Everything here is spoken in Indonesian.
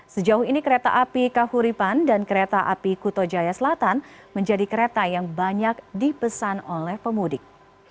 sejauh ini kereta api kahuripan dan kereta api kuto jaya selatan menjadi kereta yang banyak dipesan oleh pemudik